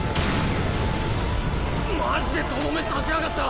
マジでとどめ刺しやがった！